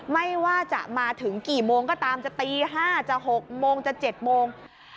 ไม่ว่าจะมาถึงกี่โมงก็ตามจะตี๕จะ๖โมงจะ๗โมง